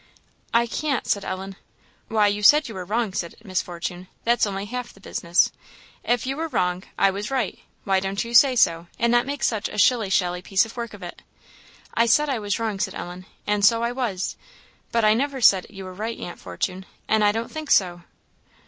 "I can't," said Ellen. "Why, you said you were wrong," said Miss Fortune; "that's only half of the business; if you were wrong, I was right; why don't you say so, and not make such a shilly shally piece of work of it?" "I said I was wrong," said Ellen "and so I was; but I never said you were right, Aunt Fortune, and I don't think so."